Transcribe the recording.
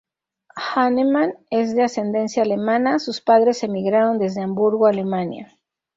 Hahnemann es de ascendencia alemana; sus padres emigraron desde Hamburgo, Alemania.